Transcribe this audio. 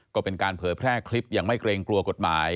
ก็เป็นการเผยแพร่คลิปอย่างไม่เกรงกลัวกฎหมาย